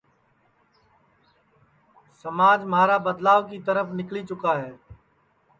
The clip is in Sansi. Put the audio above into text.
کہ سماج مہارا بدلاو کی ترپھ نِکݪی چُکا ہے